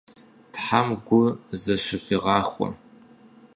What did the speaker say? Тхьэм гу зэщывигъахуэ.